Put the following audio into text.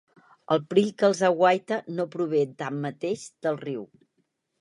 El perill que els aguaita no prové tanmateix del riu.